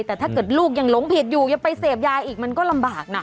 แต่ถ้าเกิดลูกยังหลงผิดอยู่ยังไปเสพยาอีกมันก็ลำบากนะ